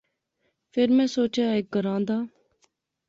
فیر میں سوچیا ہیک گراں دا